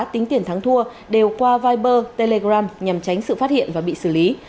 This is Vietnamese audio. tính tiền thắng thua đều qua viber telegram nhằm tránh sự phát hiện và bị xử lý